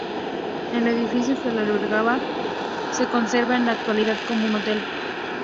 El edificio que la albergaba se conserva en la actualidad como un hotel.